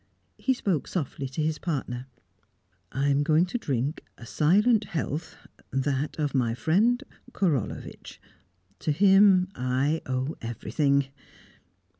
He spoke softly to his partner. "I am going to drink a silent health that of my friend Korolevitch. To him I owe everything."